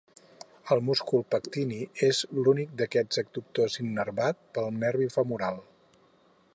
El múscul pectini és l'únic d'aquests adductors innervat pel nervi femoral.